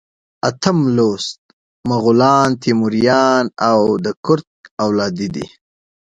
اتم لوست مغولان، تیموریان او د کرت اولادې دي.